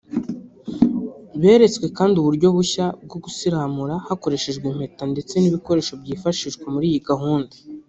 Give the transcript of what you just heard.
Beretswe kandi uburyo bushya bwo gusiramura hakoreshejwe impeta ndetse n’ibikoresho byifashishwa muri iyi gahunda